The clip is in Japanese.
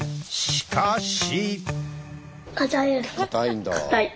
しかし。